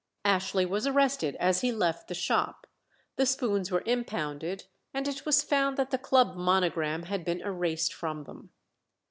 Ashley was arrested as he left the shop; the spoons were impounded, and it was found that the club monogram had been erased from them.